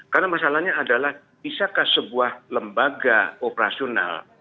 karena masalahnya adalah bisakah sebuah lembaga operasional